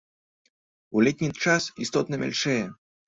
У летні час істотна мяльчэе.